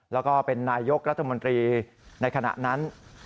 แล้วก็เป็นนายยกรัฐมนตรีในขณะนั้น